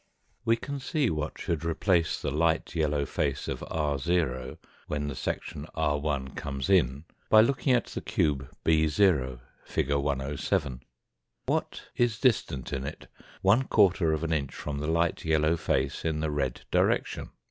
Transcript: We can see what should replace the light yellow face of ro, when the section r\ comes in, by looking at the cube 60, fig. 107. What is distant in it one quarter of an inch from the light yellow face in the red direction